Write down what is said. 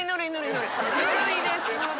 ぬるいですね。